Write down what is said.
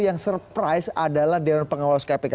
yang surprise adalah dewan pengawas kpk